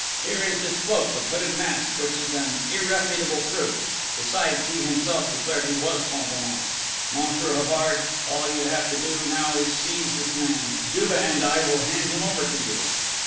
Here is this cloak with hooded mask, which is an irrefutable proof: besides he himself declared he was Fantômas.... Monsieur Havard, all you have to do now is seize this man: Juve and I will hand him over to you!"